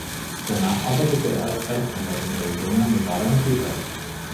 Danach arbeitete er als Rechtsanwalt in Arizona, Nevada und Utah.